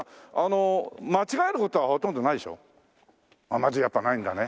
まずやっぱないんだね。